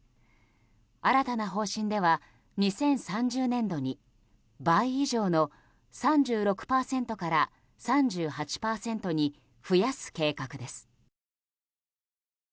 新たな方針では２０３０年度に倍以上の３６％から３８％に増やす計画です。